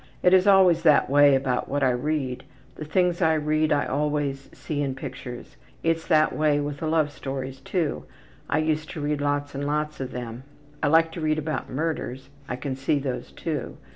It is always that way about what I read. The things I read I always see in pictures. It's that way with the love stories too. I used to read lots and lots of them. I like to read about murders. I can see those too.